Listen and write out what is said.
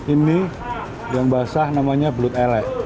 ini yang basah namanya belut elek